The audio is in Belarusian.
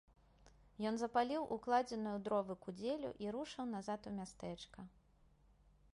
Ён запаліў укладзеную ў дровы кудзелю і рушыў назад у мястэчка.